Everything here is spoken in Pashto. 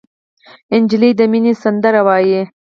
نجلۍ د مینې سندره وایي.